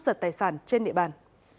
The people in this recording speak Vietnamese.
giật tài sản trên địa bàn